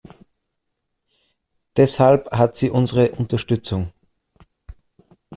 Deshalb hat sie unsere Unterstützung.